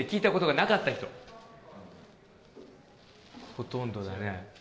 ほとんどだね。